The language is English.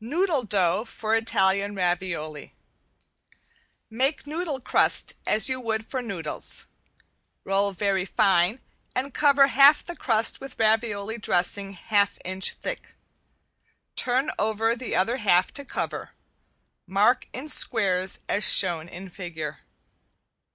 ~NOODLE DOUGH FOR ITALIAN RAVIOLI~ Make noodle crust as you would for noodles. Roll very fine and cover half the crust with ravioli dressing half inch thick. Turn over the other half to cover. Mark in squares as shown in figure.